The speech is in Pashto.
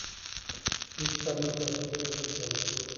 هېڅ سر نه خلاصېږي، فکر کوم، ترانسپورټ ته.